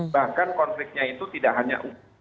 bahkan konfliknya itu tidak hanya